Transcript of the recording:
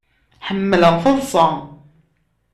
Ḥemmleɣ taḍṣa.